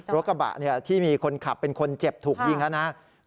รถกระบะที่มีคนขับเป็นคนเจ็บถูกยิงนะครับ